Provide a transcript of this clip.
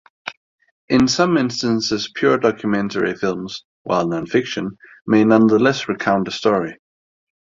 In some instances pure documentary films, while nonfiction, may nonetheless recount a story.